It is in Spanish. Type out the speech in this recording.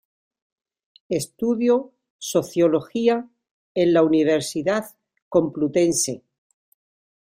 Estudio Sociología en la Universidad Complutense.